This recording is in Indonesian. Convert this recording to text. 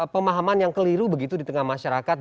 pemahaman yang keliru begitu di tengah masyarakat